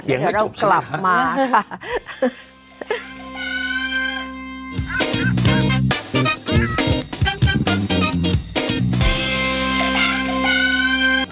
ทีหลัยที่เรากลับมาค่ะ